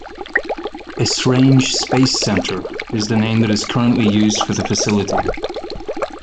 "Esrange Space Center" is the name that is currently used for the facility.